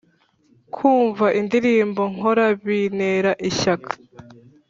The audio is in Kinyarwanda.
kumva indirimbo nkora bintera ishyaka